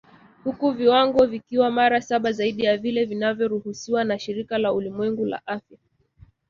Huku viwango vikiwa mara saba zaidi ya vile vinavyoruhusiwa na Shirika la Ulimwengu la Afya